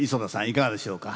いかがでしょうか。